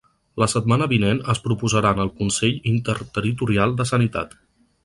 La setmana vinent es proposarà en el consell interterritorial de sanitat.